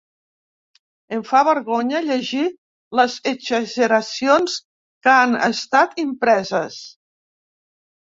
Em fa vergonya llegir les exageracions que han estat impreses.